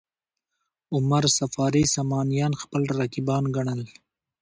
عمر صفاري سامانیان خپل رقیبان ګڼل.